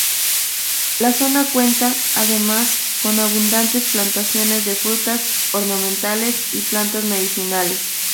La zona cuenta, además, con abundantes plantaciones de frutas, ornamentales y plantas medicinales.